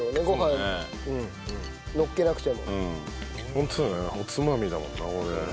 ホントだね。おつまみだもんなこれ。